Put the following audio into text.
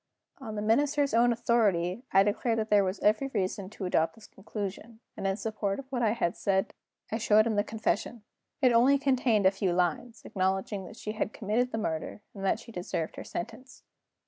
On the Minister's own authority, I declared that there was every reason to adopt this conclusion; and in support of what I had said I showed him the confession. It only contained a few lines, acknowledging that she had committed the murder and that she deserved her sentence.